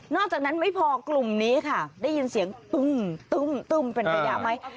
นอกจากนั้นไม่พอกลุ่มนี้ค่ะได้ยินเสียงตุ้มตุ้มตุ้มเป็นประดาษไหม